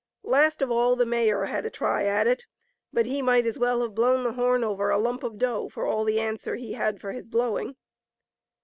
Last of all the mayor had a try at it ; but he might as well have blown the horn over a lump of dough for all the answer he had for his blowing.